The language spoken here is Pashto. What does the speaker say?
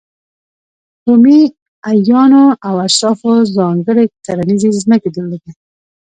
رومي اعیانو او اشرافو ځانګړې کرنیزې ځمکې درلودې.